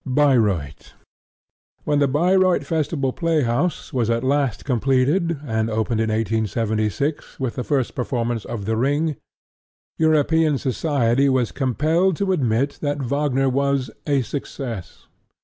BAYREUTH When the Bayreuth Festival Playhouse was at last completed, and opened in 1876 with the first performance of The Ring, European society was compelled to admit that Wagner was "a success."